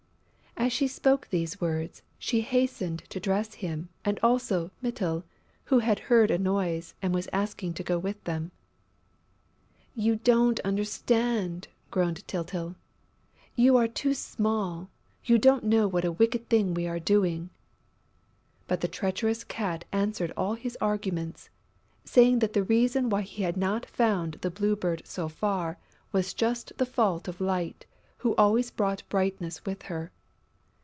As she spoke these words, she hastened to dress him and also Mytyl, who had heard a noise and was asking to go with them. "You don't understand," groaned Tyltyl. "You are too small: you don't know what a wicked thing we are doing...." But the treacherous Cat answered all his arguments, saying that the reason why he had not found the Blue Bird so far was just the fault of Light, who always brought brightness with her.